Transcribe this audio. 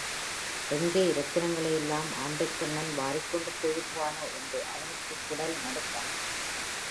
எங்கே இரத்தினங்களையெல்லாம் ஆந்தைக்கண்ணன் வாரிக்கொண்டு போய்விடுவானோ என்று அவருக்குக் குடல் நடுங்கும்.